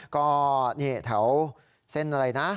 ก็เนี่ยแถวเศษอะไรนะ